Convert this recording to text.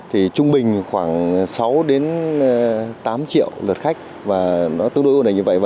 trung bình khoảng sáu tám triệu lượt khách tương đối ổn định như vậy